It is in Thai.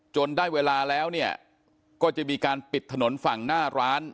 ได้เวลาแล้วเนี่ยก็จะมีการปิดถนนฝั่งหน้าร้าน